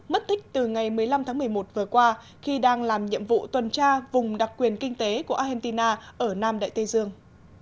mất tích từ ngày một mươi năm tháng một mươi một vừa qua khi đang làm nhiệm vụ tuần tra vùng đặc quyền kinh tế của argentina ở nam đại tây dương